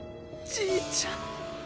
じいちゃん。